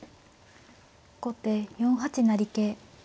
後手４八成桂。